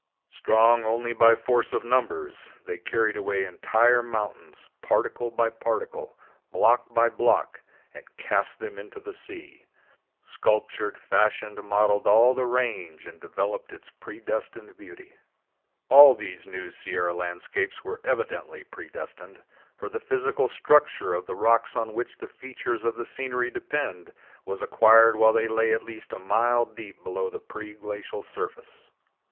Strong only by force of numbers, they carried away entire mountains, particle by particle, block by block, and cast them into the sea; sculptured, fashioned, modeled all the range, and developed its predestined beauty. All these new Sierra landscapes were evidently predestined, for the physical structure of the rocks on which the features of the scenery depend was acquired while they lay at least a mile deep below the pre glacial surface.